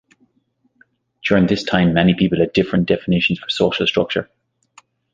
During this time, many people had different definitions for social structure.